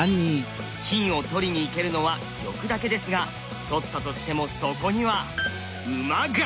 金を取りにいけるのは玉だけですが取ったとしてもそこには馬が！